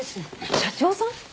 社長さん？